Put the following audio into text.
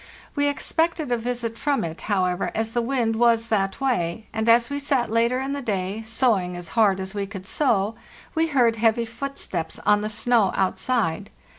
We expected a visit from it, however, as the wind was that way; and as we sat later in the day, sew ing as hard as we could sew, we heard heavy footsteps on the snow outside.